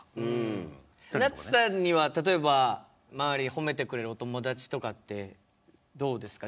なつさんには例えば周り褒めてくれるお友達とかってどうですか？